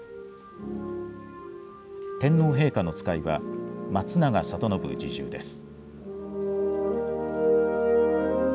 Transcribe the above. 天皇陛下の使いは、松永賢誕侍従です。